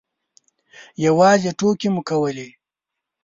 یوازې ټوکې مو کولې.